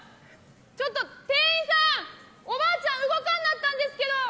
ちょっと店員さん、おばあちゃん動かんなったんですけど。